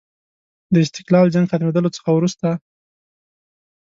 د استقلال جنګ ختمېدلو څخه وروسته.